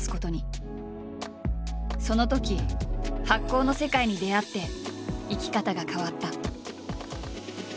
そのとき発酵の世界に出会って生き方が変わった。